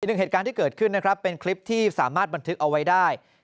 หนึ่งเหตุการณ์ที่เกิดขึ้นนะครับเป็นคลิปที่สามารถบันทึกเอาไว้ได้